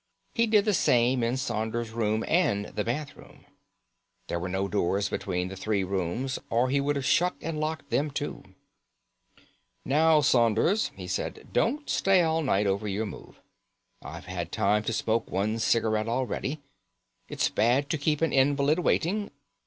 He did the same in Saunders's room and the bathroom. There were no doors between the three rooms, or he would have shut and locked them too. "Now, Saunders," he said, "don't stay all night over your move. I've had time to smoke one cigarette already. It's bad to keep an invalid waiting.